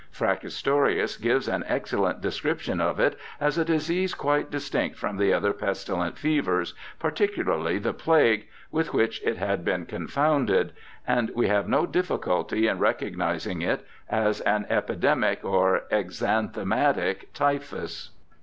Fracastorius gives an excellent description of it as a disease quite distinct from the other pestilent fevers, particularly the plague, with which it had been confounded, and we have no diffi culty in recognizing it as epidemic or exanthematic typhus.